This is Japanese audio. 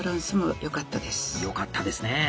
良かったですね！